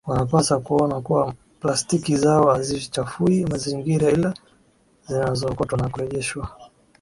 Wanapaswa kuona kuwa plastiki zao hazichafui mazingira ila zinaokotwa na kurejereshwa